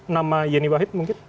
nama yeni wahid mungkin